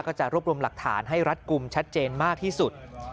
จะรวบรวมหลักฐานให้รัดกลุ่มชัดเจนมากที่สุด